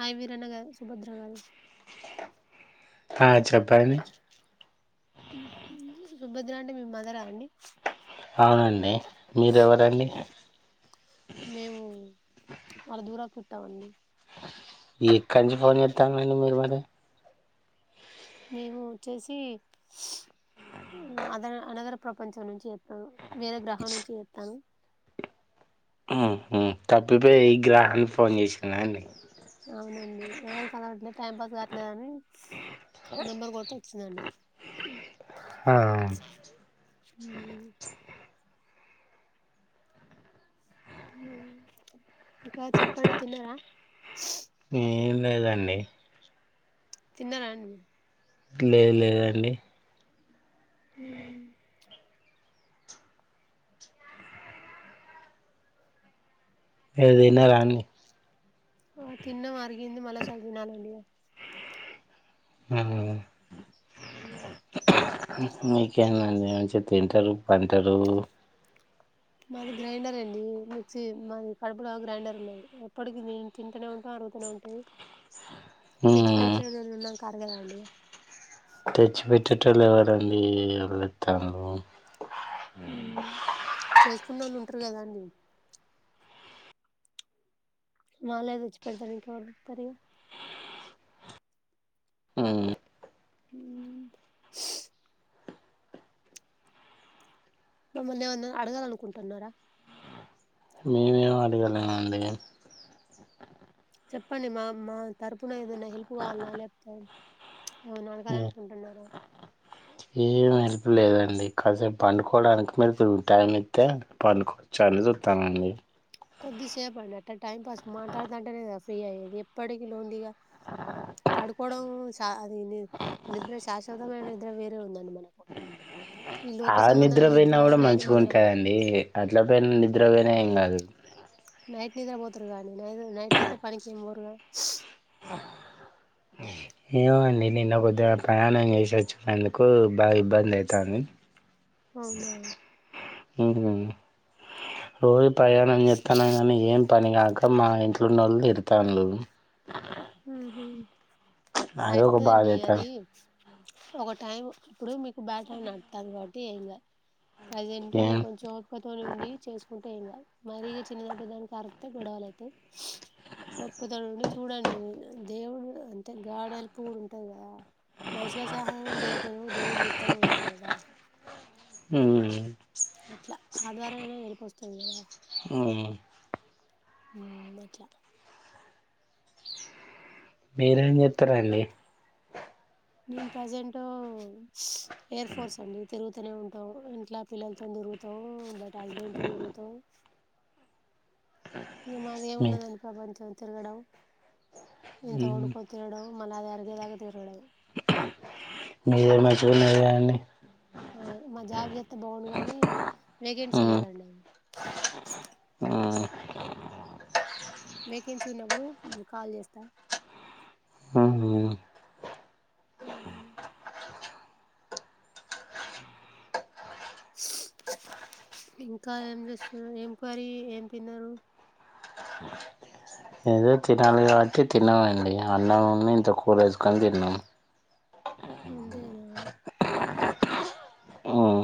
హయవీరన్న గ సుభద్ర గారు ఆ చెప్పండి సుభద్ర అంటే మీ మదర అండి అవునండి మీర ఎవరండి మళ్ళ దూరకు చుట్టామండి ఎక్కడి నుంచి ఫోన్ చేస్తాంండి మీరు మరి మేము వచ్చేసి అద అనగర ప్రపంచం నుంచి వస్తాను వేరే గ్రహాల నుంచి వస్తాను తప్పిపో ఈ గ్రహానికి ఫోన్ చేసుకున్నాండి అవునండి ఎవరి క అలవట్లేదు టైం పాస్ కావట్లేదుని నెంబర్ కొత వచ్చిందండి ఆ హ ఇంకా చెప్పండి తినరా ఏం లేదండి తిన్నారాండి మీరు లేదు లేదండి ఉ ఏదిన్న రాని ఆ తిన్న అరిగింది మళ్ళా చదిదినాలండి ఆ మీకేనాండి ఏమంచి తింటారు పంటారు మాది గ్రైండర్ అండి మిక్సీ మాది కడుపులో గ్రైండర్ ఉన్నది ఎప్పటికి తింటూనే ఉంట ఉంటా తెచ్చిపెట ఉమ్ రోజులు ఉన్నాం కారు కదా అండి తెచ్చి పెట్టేటళ్ళు ఎవరండిళ్ళె తనులు చేసుకున్న వాళ్ళు ఉంటారు కదా అండి మాళ్ళ ఏద వచ్చి పెెడతారు ఇంక వావళతారు ఇ ఆ మమ్మల్ని ఏమన్నా అడగాలనుకుంటున్నారా మేమేం అడగలిము అండి చెప్పండి మా మా తరపున ఏదన్నా హెల్ప్ కావాలన్నా లేపోతా ఏమైనా అడగానుకుంటున్నార ఏం ఎలుపు లేదండి కాసేపు పండుకోవడానికి మిరు టైం అయితే పండుకోవచ్చాల న్న చూతానండి కొద్దిసేపుండి అట్ట టైం పాస్ మాట్లాడుదంటేనేద ఫ్రీ అయ్యేది ఎప్పటికిీ లోందిగా పడుకోవడం అది ని నిద్ర శాశ్వతమైన నిద్ర వేరే ఉందండి మనకు ఈ లోక ఆ సంబంధమైన నిద్ర నిద్రపోవిన్న కూడా నైట్ మంచిగా నిద్ర ఉంటాయి పోవాలి అండి అట్లా పోయిన నిద్రపోయినా ఏం కాదు నైట్ నిద్ర పోతురుగా నై నైట్ అయితే పనికి పోరుగా ఏమండి నిన్న కొద్దిగా ప్రయాణం చేసొచ్చుకునేందుకు బాగా ఇబ్బంది అవుతంది అవునా రోహ ప్రయాణం చెత్తనా కానీ ఏం పని కాక మా ఇంట్లో నోళ్ళలు తిడ్తన్లు అదే ఒక బాధ అయితడండి అది అవుతుంది ఒక టైం ఇప్పుడు మీకు బ్యాట నడుతాను కాబట్టి ఏంకాదు ప్రజెంట్ ఏం మీరు కొంచెంపత ఉండి చేసుకుంట ఎం కాదు మరిీ చిన్నదంట దానికి అరతే గొడవలు అతాయి ఒప్పుకుతండి చూడండి దేవుడు అంటే గాడలు పుడు ఉంటాది కదా మనుషుల సహాయం చేయకపోయినా దేవుడు జుత్త ఉంటడు ఉ అట్లా ఆ ద్వారానే వెళ్లిిస్తుంది కదా ఉ అట్లా మీరు ఎం చేతరండీ నేను ప్రజెంట్ ఎయిర్ ఫోర్స్ అండి తిరుగుతూనే ఉంటాం ఇంట్లా పిల్లలతోొంద రుత బట్ హస్బెండ్తో నిరుగుత ఇం మాది ఏమి మీ- ఉండదని ప్రపంచం తిరగడం ఇంత ఉమ్, వండుకొని తిినడం మనది తగేదగదు ఇవే మీరేమంచిగున్నారు గా అండి మా జాబ్ చెత్త బాగుం గాని వేకెన్సీ ఉమ్, లేదండి ఉమ్. వేకెన్సీ ఉన్నప్పుడు కాల్ చేస్తా ఉహు అ ఇంకా ఏం చేస్తున్నావ్? ఏం కర్రీ? ఏం తిన్నావ్? ఏదో తినాలి కాబట్టి తిన్నామండి. అన్నం ఉంది ఇంత కూరేసుకొని తిన్నామ్. అంతేనా ఉమ్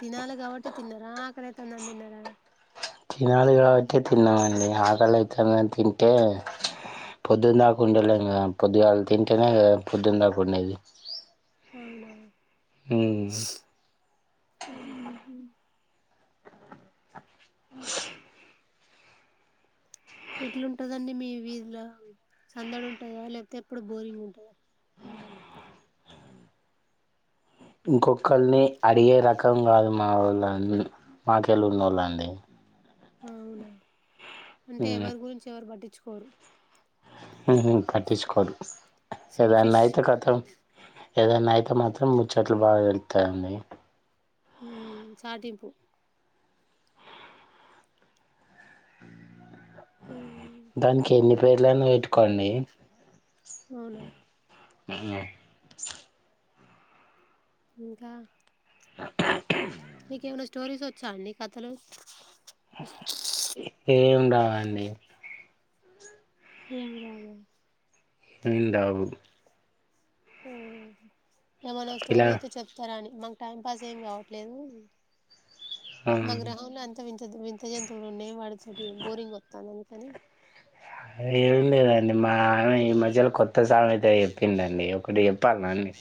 తినాలి కాబట్టి తిన్నార? ఆకలైతందని తిన్నార? తినాలి కాబట్టి తిన్నామండి. ఆకలయితందని తింటే, పొద్దున్నదాక ఉండలేం కదా, పొద్దుగాళ్ తింటేనే కదా పొద్దున్న దాక ఉండేది. అవునా మ్ మ్ హు ఎట్లుంటదండి మీ వీదిలో సందడి ఉంటదా? లేకపోతే, ఎప్పుడు బోరింగ్ ఉంటదా? ఇంకొకల్ని అడిగే రకం కాదు. మా వాళ్ళ అన్ ఉహు మాకెళ్ళ ఉన్నోళ్లండి. అవునా, అంటే ఎవరి గురించి ఎవరు పట్టించుకోరు. మ్ హు పట్టించుకోరు. ఏదన్న సెల్ఫిష్ అయితే కథం. ఏదైనా అయితే మాత్రం ముచ్చట్లు బా తెలుత్తయండి. మ్ చాటింపు దానికి ఎన్ని పేర్లైనా పెట్టుకోండి. అవునా! మ్ ఇంకా నీకేమైనా స్టోరీస్ వచ్చా అండి? కథలు? ఏం రావండి. ఏం రావ? ఏం రావు. మ్ ఏమన స్టోరీ ఇలా అయితే చెప్తార అని. మాకు టైం పాస్ ఏం కావట్లేదు. మా గ్రహంలో అన్ త వింత వింత జంతువులు ఉన్నాయి. వాటితోటి బోరింగ్ వత్తాంది అందుకని, ఏమున్నదండి మా ఆవిడ ఈ మధ్యలో కొత్ త్త సామెత చెప్పిందండి. ఒకటి చెప్పాల్నా అండి?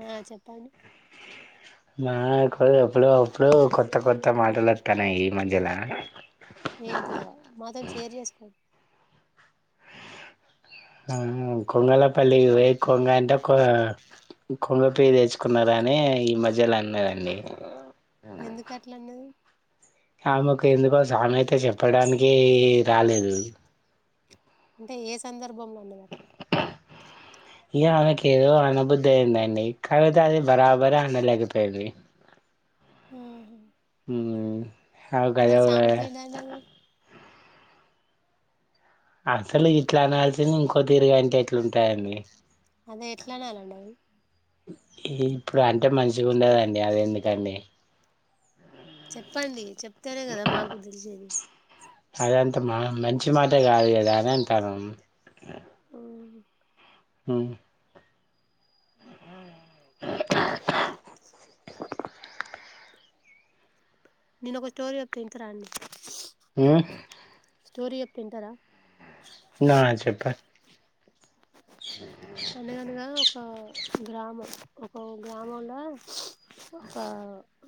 ఆ చెప్పండి. మాకు ఎప్పుడో అప్పుడు కొత్త కొత్త మాటలు వత్తన్నాయి ఈ మధ్యల ఏంటిదొ, మాతోనా షేర్ చేసుకో అమ్ము కొంగల పల్లికి పొయ్యి కొంగ అంటే కో కొంగ పియ్యి తెచ్చుకున్నారని ఈ మధ్యలో అన్నదండి. ఎందుకట్ల అన్నది? ఆమెకు ఎందుకో సామెత చెప్పడానికి రాలేదు. అంటే ఏ సందర్భంలో అన్నది అట్ల ఇగ ఆమెకేదో అనబుద్ధి అయిందండి. కాకపోతే అది బరాబర్ అనలేకపోయింది. ఆహ మ్ అసలు సామెత ఏందండి అది? అసలు ఇదిట్ల అనాల్సింది ఇంకో తీరుగ అంటే ఎట్లుంటాదండి? అదే ఎట్లనాలండి అది? ఇప్పుడంటే మంచిగుండదండి. అదెందుకండి? చెప్పండి. చెప్తేనే కదా మాక్కూడా తెలిసేది. అదంత మా మంచి మాటే కాదు కదా, అని అంటాన మ్ మ్ నేను ఒక స్టోరీ చెప్త వింటరా అండి? ఉమ్ స్టోరి చెప్తా ఇంటరా? నా చెప్పన్ అనగనగా ఒక గ్రామం. ఒక గ్రామంలో ఒక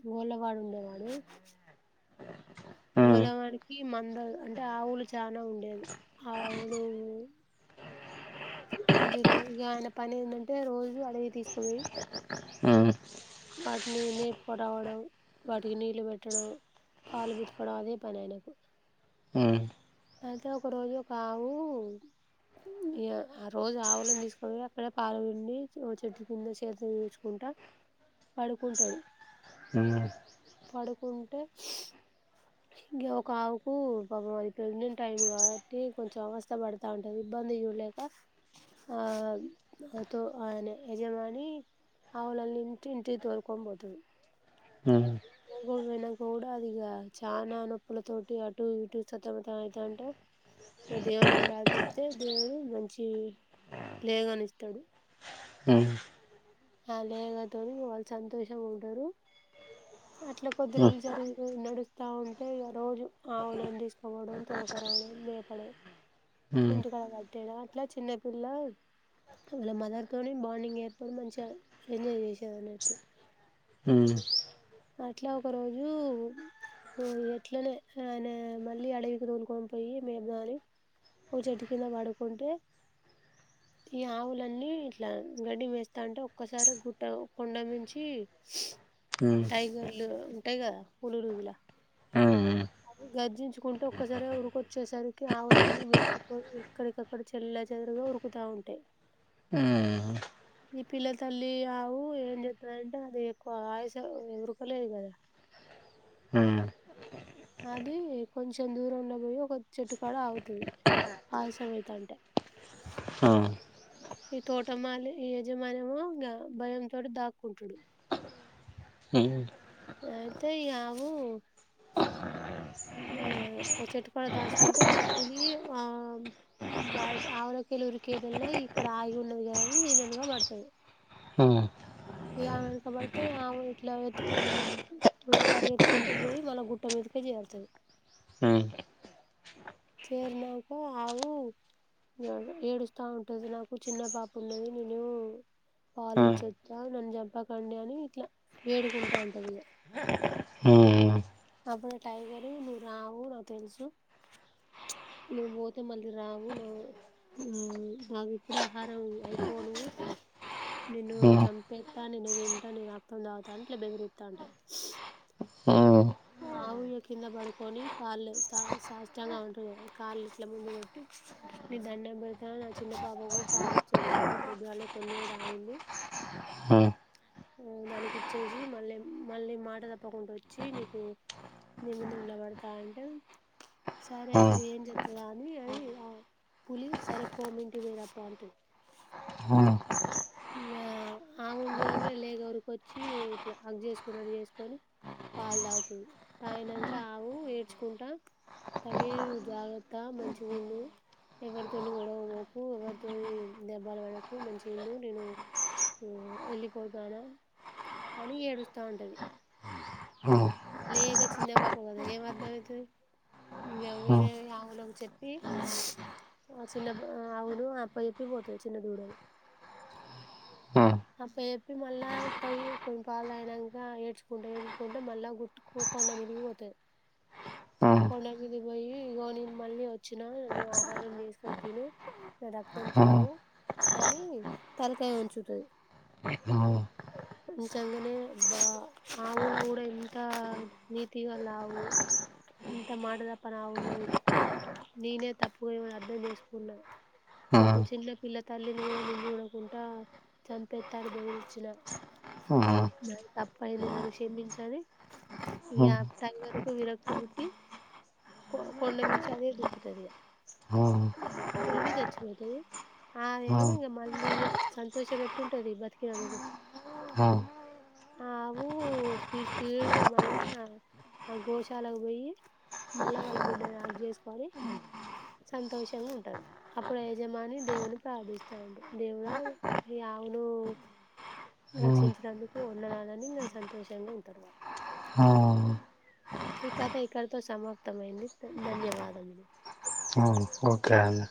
గోళ్ళవాడు ఉండేవాడు. ఉమ్ గోళ్ళవానికి మంద అంటే ఆవులు చానా ఉండేవి. అవి రోజుగా ఆయన పనేంటంటే రోజు అడివికి తీసుకపోయి ఆ వాటిని మేపుకు రావడం. వాటికి నీళ్ళు పెట్టడం. పాలు పితకడం అదే పని ఆయనకు మ్. అయితే ఒక రోజు ఒక ఆవు ఈయ ఆ రోజు ఆవులను తీసుకపోయి అక్కడే పాలు పిండి ఓ చెట్టు కింద సేద తీర్చుకుంటా పడుకుంటడు. మ్. పడుకుంటే ఇంక ఒక ఆవుకు పాపం అది ప్రెగ్నెంట్ టైమ్ కాబట్టి కొంచెం అవస్థ పడతాంటది. ఇబ్బ ంది చూల్లేక ఆ తో ఆయన యజమాని అవులల్ల్ని ఇంటి ఇంటికి తోల్కోన్పోతడు తొల్కొని పోయినంక కూడా అదిగ చానా నొప్పుల తోటి అటు ఇటు సతమతమయితాంటే నువు దేవున్ని ప్రార్థిస్తే దేవుడు మంచి లేగనిస్తడు. ఉమ్ ఉమ్ ఉమ్ ఆ లేగ తోని వాళ్ళు సంతోషంగుంటరు. అట్ల కొద్ది రోజులు జరుగుతున్న నడుస్తా ఉంటే ఇగ రోజు ఆవులను తీసుకోవడం తోలకరావడం మేపడం. ఉమ్ ఉమ్ ఉమ్ ఇంటికాడ కట్టేయడం అట్ల చిన్నపిల్ల వాళ్ళ మదర్ తోనే బాండింగ్ ఏర్పడి మంచి గా ఎంజయ్ చేసేదన్నట్టు. ఉమ్ ఉమ్ ఉమ్ ఉమ్ ఉమ్ ఉమ్ ఉమ్ ఉమ్ ఉమ్ ఉమ్ ఉమ్ ఉమ్ ఉమ్ ఉమ్ ఉమ్ అట్ల ఒక రోజూ మ్ ఎట్లనే ఆయన మళ్ళీ అడవికి తోలుకోనిపొయ్యి మేపుదామని ఓ చెట్టు కింద పడుకుంటే ఈ ఆవులన్నీ ఇట్లా గడ్డి మేస్తాంటే ఒక్కసారి గుట్ట కొండనుంచి మ్. లు ఉంటాయి కదా పులులు ఇలా అది గర్జించుకుంటు ఒక్కసారి ఉరికొచ్చేసరికి ఆవులన్నీ బెదిరిపోయి ఎక్కడికక్కడ చెల్ల లాచదురుగా ఉరుకుతా ఉంటాయ్. ఆ ఈ పిల్ల తల్లి ఆవు ఏం చెత్తదంటే అది ఎక్కువ ఆయస ఉరకలేదు కదా అది కొంచెం దూరంలో పోయ్యి ఒక చెట్టుకాడ ఆగుతది. ఆయసమైతాంటే ఆ ఈ తోటమాలి ఈ యజమానేమో ఇంగ భయంతోటి దాక్కుంటడు. అయితే ఈ ఆవు ఆ ఒక చెట్టుకాడ దాసుకుంటే ఆ పులి ఆ గాట్ ఆవులకెల్ లురికేదల్ల ఇక్కడ ఆగి ఉన్నది కద అని దీనెనక పడతది. ఈ ఆవెనకబడితే ఆవు ఇట్లా త్ పరిగెత్తుకుంటుపోయ్యి మళ్ళా గుట్ట మీద్ దికి చేర్తది. ఆ చేర్నాంక ఆవు ఏ ఏడుస్తా ఉంటది నాకు చిన్న పాప ఉన్నది. నేను పాలేచ్చి వస్తా నన్ను చంపకండి అని ఇట్లా వేడుకుంటాంటుందిగ మ్. మ్. అప్పుడు టైగరూ నువ్వు రావు నాకు తెలుసు నువ్వు బోతే మళ్ళీ రావు నా ఉమ్ నాకిప్పుడే ఆహారం అయిపోనువ్ నిన్ను చంపేత్తా, నిన్ను దింటా, నీ రక్తం తాగుతా అని ఇట్ల బెదిరిత్తామ్టది. ఆఉయ్య కింద పడుకొని కాళ్ళు సా సాష్టాంగమంటరు గదా, కాల్లిట్ల ముందుకు బెట్టి నీక్ దండం పెడతా నా చిన్న పాపకు పాలిచ్చోత్త పొద్గాల కొన్నే తాగింది ఉమ్ దానికిచ్చేసి మళ్ళీ మళ్ళీ మాట తప్పకుండోచ్చి నీకు నీ ముందు నిలబడతా అంటే, సరే ఇది ఏం జెత్తదా అని అవి ఆ పులి సరే పో మీ ఇంటికి పోయిరాపో అంటది హా ఇంగా ఆవును జూడంగనే లేగ ఉరుకోచ్చి ఇట్లా హాగ్ చేసుకున్నట్లు జేసుకొని పాలు తాగుతది తాగినంక ఆవు ఏడ్చుకుంటా తల్లీ నువ్ జాగ్రత్త మంచిగుండు ఎవరితోని గొడవకు పోకు, ఎవరితోని దెబ్బలు పడకు మంచిగుండు నేను ఉమ్ ఎళ్ళిపోతానా అని ఏడుస్తా ఉంటది అ హాహ్ లేగ చిన్న పాప గదా ఏం అర్థమయితది? ఇగ వేరే ఆవులకు చెప్పి ఆ చిన్న బ ఆవును అప్ప జెప్పి పోతది చిన్నదూడను అప్ప జెప్పి మళ్ళా పోయి కొన్ని పాలు దాగినంక ఏడ్చుకుంట ఏడ్చుకుంట మళ్ళ గుట్కు కొండమీదికి పోతది ఉమ్ ఉమ్ ఉమ్ కొండమీదికి పోయ్యి ఇగో నేను మళ్ళీ ఒచ్చినా నన్ను ఆహారం జేసుకొని తిను రక్తం ఉమ్, తాగు అని తలకాయ వంచుతది అ హా వంచంగనే బా ఆవులో గూడ ఎంత నీతిగల్లావు ఇంత మాట తప్పనావు ఉన్నది, నేనే తప్పుగా ఈమని అర్థం జేసుకున్నా ఒక చిన్న పిల్ల తల్లిని గూడ నేను జూడకుంటా చంపేత్తాని బెదిరించిన ఆహా నాది తప్పయింది నన్ను క్షేమించని ఈ ఇగ టైగర్ కు విరక్తి పుట్టి కొ కొండమించి అదే దూక్కుతదిగ, ఇంక ఇది చచ్చిపోతది. ఆదేమో ఇంగ మళ్ళీగ సంతోషమేట్టుంటది బతికినందుకు ఆవు స్పీడ్ స్పీడ్గా మళ్ళా ఆ గోశాలకు బొయ్యి మళ్ళ వాళ్ళ బిడ్డను హగ్ జేసుకొని సంతోషంగుంటరు అప్పుడ యజమాని దేవున్ని ప్రార్థిస్తా ఉంటడు దేవుడా ఈ అవునూ రక్షించినందుకు వందనాలని ఇంగ సంతోషంగ ఉంటరు వాళ్ళు. ఈ కథ ఇక్కడతో సమాప్తమయింది ధన్యవాదములు. అవున ఓకే అండి.